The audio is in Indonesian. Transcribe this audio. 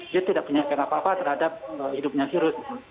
dia tidak punya kenapa kenapa terhadap hidupnya virus